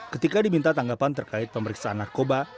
ketika diminta tanggapan terkait pemeriksaan narkoba